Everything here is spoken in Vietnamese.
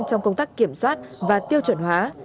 trong công tác kiểm soát và tiêu chuẩn hóa